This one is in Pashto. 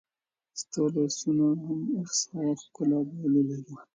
ستا لاسونو هم اوس هغه ښکلا بایللې ده